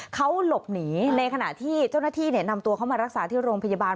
เขาหลบหนีในขณะที่เจ้าหน้าที่นำตัวเขามารักษาที่โรงพยาบาล